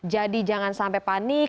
jadi jangan sampai panik